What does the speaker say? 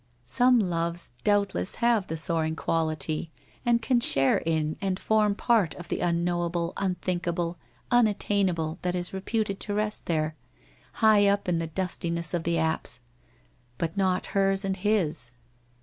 Some loves doubtless have the soaring quality, and can 6hare in and form part of the Unknowable, Unthink able, Unattainable that is reputed to rest there, 'high up in the dustiness of the apse '— but not hers and his